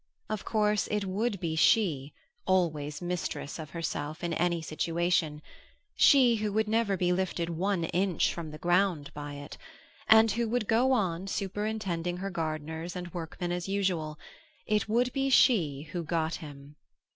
Of course, it would be she, always mistress of herself in any situation, she, who would never be lifted one inch from the ground by it, and who would go on superintending her gardeners and workmen as usual it would be she who got him.